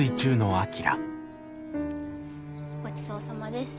ごちそうさまです。